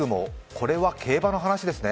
これは競馬の話ですね。